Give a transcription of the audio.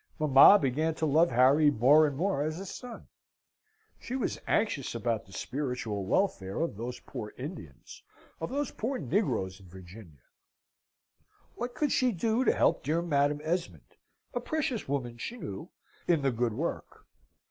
Mamma began to love Harry more and more as a son. She was anxious about the spiritual welfare of those poor Indians, of those poor negroes in Virginia. What could she do to help dear Madam Esmond (a precious woman, she knew!) in the good work?